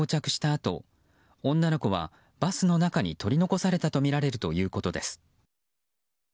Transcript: あと女の子はバスの中に取り残されたとみられるということです。